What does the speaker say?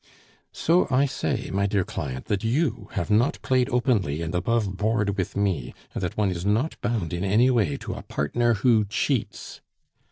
"So I say, my dear client, that you have not played openly and above board with me, and that one is not bound in any way to a partner who cheats."